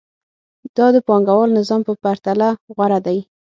دا د پانګوال نظام په پرتله غوره دی